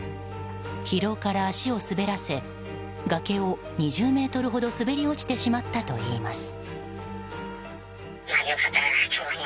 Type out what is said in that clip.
疲労から足を滑らせ崖を２０ｍほど滑り落ちてしまったといいます。